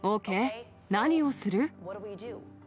何をする？